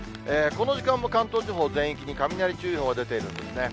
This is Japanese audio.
この時間も関東地方全域に雷注意報が出ているんですね。